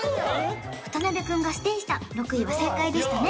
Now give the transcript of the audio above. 渡辺君がステイした６位は正解でしたね